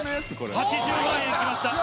８０万円きました。